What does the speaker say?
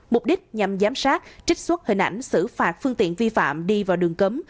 mục đích nhằm giám sát trích xuất hình ảnh xử phạt phương tiện vi phạm đi vào đường cấm